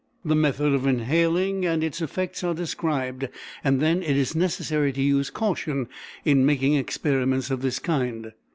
The method of inhaling and its effects are described, and then "it is necessary to use caution in making experiments of this kind.